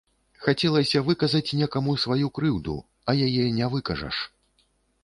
Хацелася выказаць некаму сваю крыўду, а яе не выкажаш.